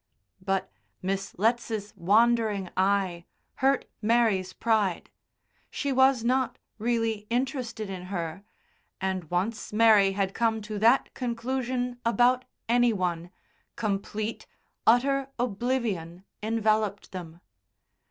But Miss Letts's wandering eye hurt Mary's pride. She was not really interested in her, and once Mary had come to that conclusion about any one, complete, utter oblivion enveloped them.